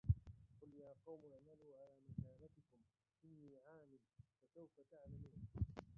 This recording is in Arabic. قل يا قوم اعملوا على مكانتكم إني عامل فسوف تعلمون